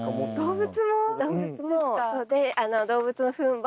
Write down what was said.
動物も。